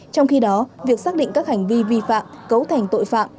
trong khi đó việc xác định các hành vi vi phạm cấu thành tội phạm